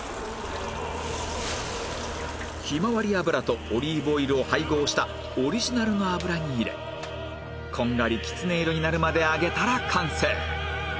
ひまわり油とオリーブオイルを配合したオリジナルの油に入れこんがりきつね色になるまで揚げたら完成